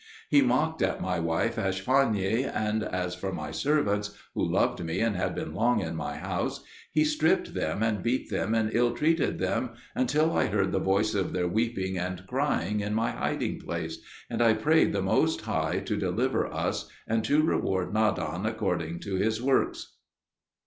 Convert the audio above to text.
He mocked at my wife Ashfagni, and as for my servants, who loved me and had been long in my house, he stripped them and beat them and ill treated them until I heard the voice of their weeping and crying in my hiding place, and I prayed the Most High to deliver us and to reward Nadan according to his works.